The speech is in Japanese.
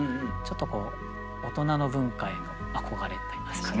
ちょっとこう大人の文化への憧れといいますかね。